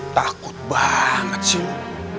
takut banget sih lu